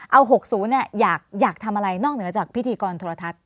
เอา๖๐อยากทำอะไรนอกเหนือจากพิธีกรโทรทัศน